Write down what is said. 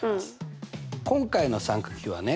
今回の三角比はね